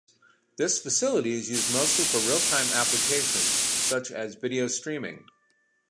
This facility is used mostly for real-time applications, such as video streaming.